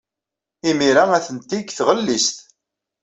Imir-a, atenti deg tɣellist.